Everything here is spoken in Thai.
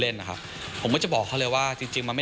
แต่มีนักแสดงคนนึงเดินเข้ามาหาผมบอกว่าขอบคุณพี่แมนมากเลย